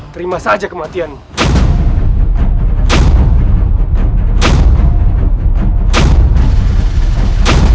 terima saja kematianmu